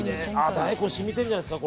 大根、染みているんじゃないんですか。